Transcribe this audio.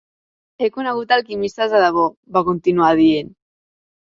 "He conegut alquimistes de debò", va continuar dient.